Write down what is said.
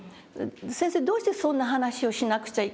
「先生どうしてそんな話をしなくちゃいけないんですか？